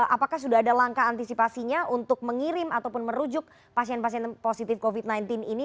apakah sudah ada langkah antisipasinya untuk mengirim ataupun merujuk pasien pasien positif covid sembilan belas ini